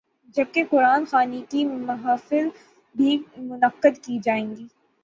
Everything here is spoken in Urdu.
جب کہ قرآن خوانی کی محافل بھی منعقد کی جائیں گی۔